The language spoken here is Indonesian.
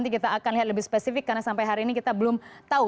nanti kita akan lihat lebih spesifik karena sampai hari ini kita belum tahu